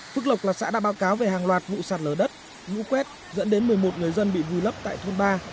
phước lộc là xã đã báo cáo về hàng loạt vụ sạt lở đất lũ quét dẫn đến một mươi một người dân bị vùi lấp tại thôn ba